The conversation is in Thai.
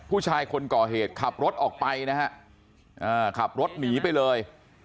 ผู้ชายคนก่อเหตุขับรถออกไปนะฮะขับรถหนีไปเลย